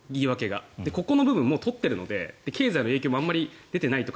ここの部分を取っているので経済の影響もあまり出ていないとか